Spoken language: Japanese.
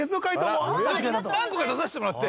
何個か出させてもらって。